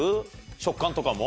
食感とかも？